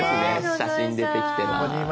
写真出てきてます。